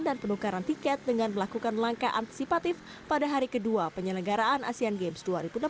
dan penukaran tiket dengan melakukan langkah antisipatif pada hari kedua penyelenggaraan asean games dua ribu delapan belas